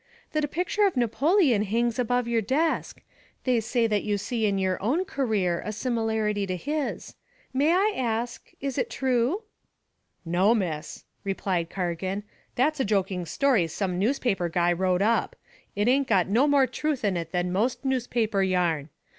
that a picture of Napoleon hangs above your desk. They say that you see in your own career, a similarity to his. May I ask is it true?" "No, miss," replied Cargan. "That's a joking story some newspaper guy wrote up. It ain't got no more truth in it than most newspaper yarn.